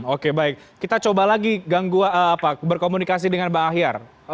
oke baik kita coba lagi berkomunikasi dengan pak ahyar